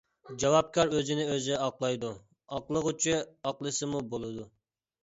جاۋابكار ئۆزىنى ئۆزى ئاقلايدۇ، ئاقلىغۇچى ئاقلىسىمۇ بولىدۇ.